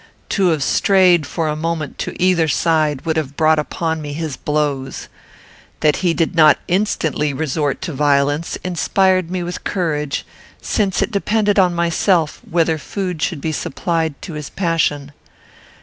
To have strayed, for a moment, to either side, would have brought upon me his blows. That he did not instantly resort to violence inspired me with courage, since it depended on myself whether food should be supplied to his passion.